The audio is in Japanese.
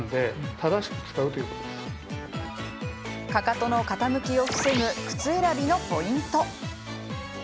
かかとの傾きを防ぐ靴選びのポイント。